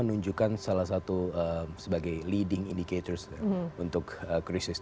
itu menunjukkan salah satu sebagai leading indicator untuk penins tun seas